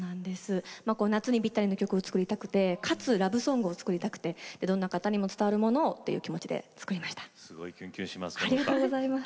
夏にぴったりの曲を作りたくてかつラブソングを作りたくていろんな方に伝わるものをという気持ちで作りました。